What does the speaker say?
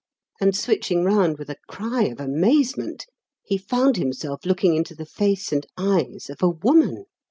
And, switching round with a cry of amazement, he found himself looking into the face and eyes of a woman.